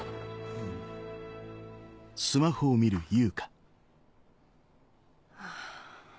ううん。ハァ。